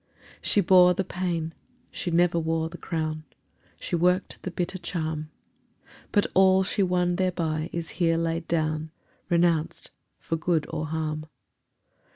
She bore the pain, she never wore the crown, She worked the bitter charm, But all she won thereby is here laid down Renounced for good or harm.